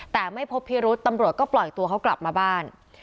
แต่ไม่พบพิรุษตำรวจก็ปล่อยตัวเขากลับมาบ้าน